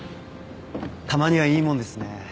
たまにはいいもんですね